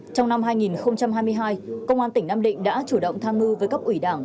trong năm hai nghìn hai mươi hai công an tỉnh nam định đã chủ động tham mưu với cấp ủy đảng